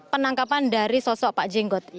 penangkapan dari sosok pak jenggot